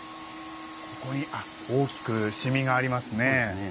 ここに大きく染みがありますね。